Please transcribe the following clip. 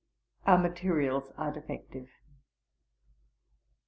Our materials are defective.'